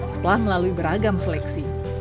setelah melalui beragam seleksi